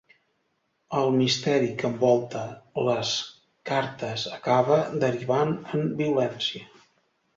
El misteri que envolta les cartes acaba derivant en violència.